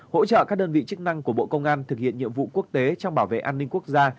hỗ trợ các đơn vị chức năng của bộ công an thực hiện nhiệm vụ quốc tế trong bảo vệ an ninh quốc gia